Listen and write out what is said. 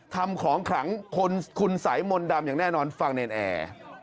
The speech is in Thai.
ทำของขลังคนคุณสายมนต์ดำอย่างแน่นอนฟังเนรนแอร์